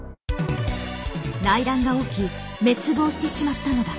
内乱が起き滅亡してしまったのだ。